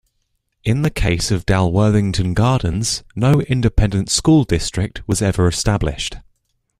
In the case of Dalworthington Gardens, no Independent School District was ever established.